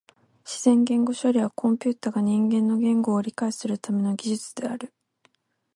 自然言語処理はコンピュータが人間の言語を理解するための技術である。